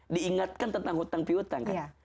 diingatkan tentang hutang pihutang